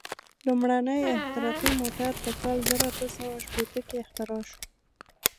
لومړنی احتراقي موټر په کال زر اته سوه شپېته کې اختراع شو.